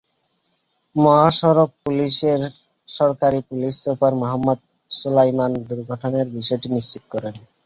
মহাসড়ক পুলিশের সহকারী পুলিশ সুপার মোহাম্মদ সোলায়মান দুর্ঘটনার বিষয়টি নিশ্চিত করেন।